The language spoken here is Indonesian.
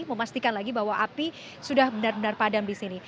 memastikan lagi bahwa api sudah benar benar padam di sini